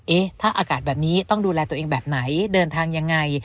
เอ๊ะถ้าอากาศแบบนี้ต้องดูแลตัวเองแบบไหนเดินทางยังไง